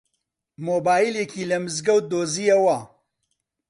مۆبایلێکی لە مزگەوت دۆزییەوە.